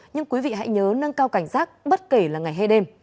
nhưng quý vị hãy nhớ nâng cao cảnh giác bất kể là ngày hay đêm